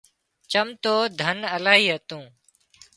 چم تو ڌن الاهي هتون